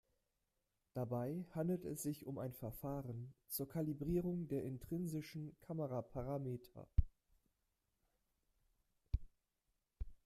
Dabei handelt es sich um ein Verfahren zur Kalibrierung der intrinsischen Kameraparameter.